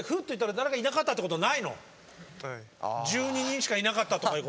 １２人しかいなかったとかいうことは。